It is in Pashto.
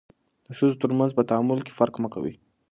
د ښځو ترمنځ په تعامل کې فرق مه کوئ.